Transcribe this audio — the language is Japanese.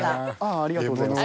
ありがとうございます。